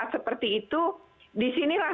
seperti itu disinilah